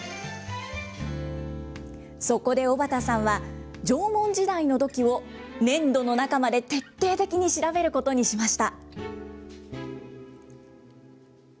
そこで小畑さんは、縄文時代の土器を、粘土の中まで徹底的に調べることにしました。